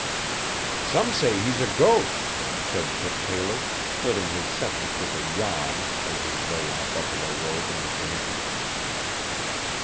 'Some says 'e 's a ghost,' said Tip Taylor, splitting his sentence with a yawn, as he lay on a buffalo robe in the shanty.